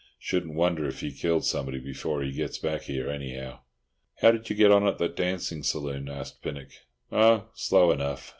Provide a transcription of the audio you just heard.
Shouldn't wonder if he killed somebody before he gets back here, anyhow." "How did you get on at the dancing saloon?" asked Pinnock. "Oh, slow enough.